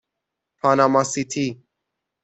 پاناما سیتی